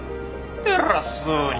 偉そうに。